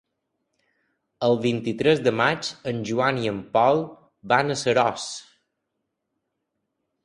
El vint-i-tres de maig en Joan i en Pol van a Seròs.